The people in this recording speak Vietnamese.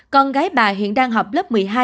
con gái bà hiện đang học lớp một mươi hai